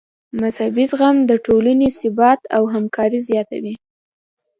مذهبي زغم د ټولنې ثبات او همکاري زیاتوي.